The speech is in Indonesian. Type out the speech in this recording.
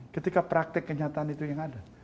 ketika praktek kenyataan itu yang ada